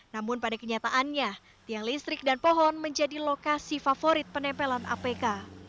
namun pada kenyataannya tiang listrik dan pohon menjadi lokasi favorit penempelan apk